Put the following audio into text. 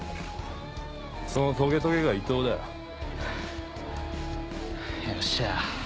そのトゲトゲが伊藤だよ。よっしゃ。